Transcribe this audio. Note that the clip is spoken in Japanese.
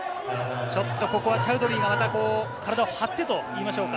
チャウドリーが体を張ってといいましょうか。